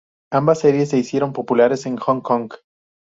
Ambas series se hicieron populares en Hong Kong.